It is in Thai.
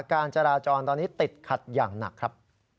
การจราจรตอนนี้ติดขัดอย่างหนักครับ